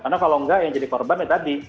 karena kalau tidak yang jadi korban itu tadi